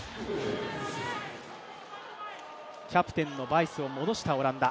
キャプテンのバイスを戻したオランダ。